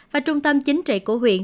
và trung tâm chính trị của huyện